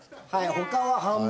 他は半分。